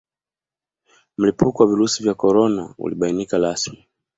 Mlipuko wa Virusi vya Korona ulibainika rasmi